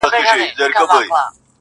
وخت پر ما ژاړي وخت له ما سره خبرې کوي_